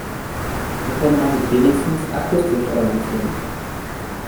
So konnte man sich wenigstens akustisch orientieren.